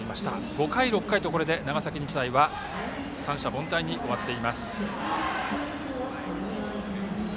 ５回、６回と長崎日大は三者凡退に終わっています。